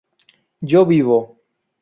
yo vivo